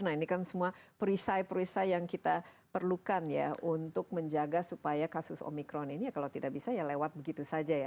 nah ini kan semua perisai perisai yang kita perlukan ya untuk menjaga supaya kasus omikron ini ya kalau tidak bisa ya lewat begitu saja ya